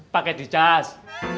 pakai di cas